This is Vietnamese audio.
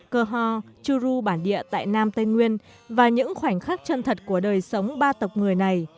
cơ ho chu ru bản địa tại nam tây nguyên và những khoảnh khắc chân thật của đời sống ba tộc người này